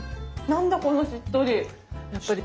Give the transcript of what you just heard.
なんだこのしっとり。